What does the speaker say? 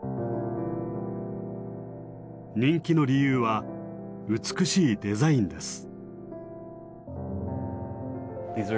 人気の理由は美しいデザインです。